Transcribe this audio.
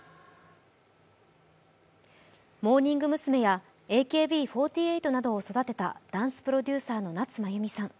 モーニング娘やＡＫＢ４８などを育てたダンスプロデューサーの夏まゆみさん。